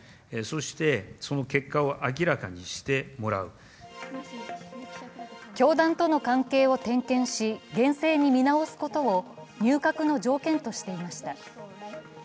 その直前、岸田総理は教団との関係を点検し厳正に見直すことを入閣の条件としていました。